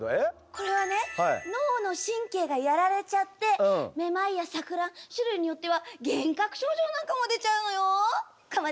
これはね脳の神経がやられちゃってめまいやさく乱種類によっては幻覚症状なんかも出ちゃうのよ。